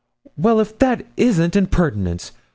Well, if this isn't impertinence!